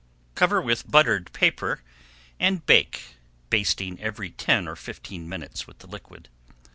Cover with buttered paper and bake, basting every ten or fifteen minutes with the liquid.